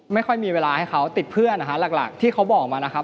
ไม่ค่อยมีเวลาให้เขาติดเพื่อนนะฮะหลักที่เขาบอกมานะครับ